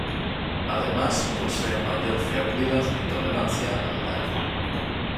Además, posee mayor fiabilidad y tolerancia al daño.